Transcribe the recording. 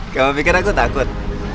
kamu pikir aku takut